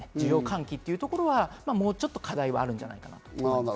需要喚起というところはもうちょっと課題があるんじゃないかなと。